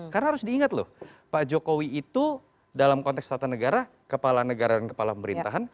karena harus diingat loh pak jokowi itu dalam konteks selatan negara kepala negara dan kepala pemerintah